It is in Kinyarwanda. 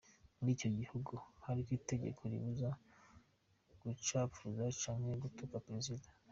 Muri ico gihugu hariho itegeko ribuza "gucapfuza canke gutuka prezida.